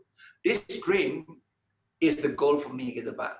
ini adalah tujuan untuk saya gitu pak